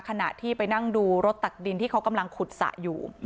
ขณะที่ไปนั่งดูรถตักดินที่เขากำลังขุดสระอยู่